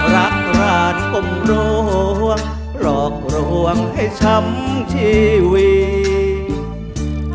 รักราชปมโรงรอกรวงให้ช้ำชีวิต